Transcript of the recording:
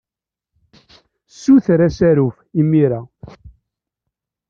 Ssuter asaruf imir-a.